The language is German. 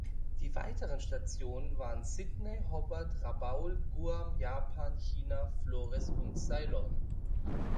Die weiteren Stationen waren Sydney, Hobart, Rabaul, Guam, Japan, China, Flores und Ceylon.